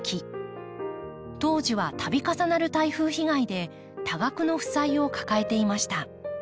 当時はたび重なる台風被害で多額の負債を抱えていました。